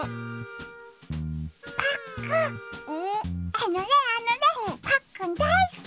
あのねあのねパックンだいすき！